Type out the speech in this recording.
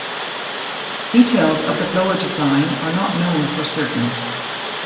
Details of the blower design are not known for certain.